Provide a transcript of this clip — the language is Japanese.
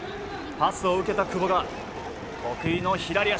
パスを受けた久保が得意の左足。